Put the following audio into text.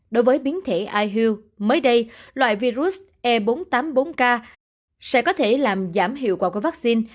đối với biến thể ihu mới đây loại virus e bốn trăm tám mươi bốn k sẽ có thể làm giảm hiệu quả của vaccine